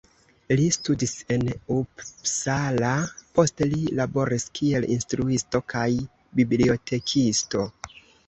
Li studis en Uppsala, poste li laboris kiel instruisto kaj bibliotekisto.